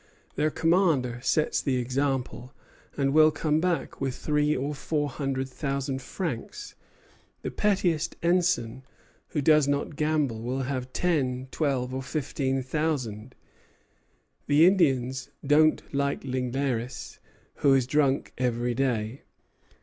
Their commander sets the example, and will come back with three or four hundred thousand francs; the pettiest ensign, who does not gamble, will have ten, twelve, or fifteen thousand. The Indians don't like Ligneris, who is drunk every day.